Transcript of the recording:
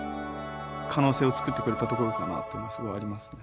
可能性をつくってくれたところかなっていうのはすごいありますね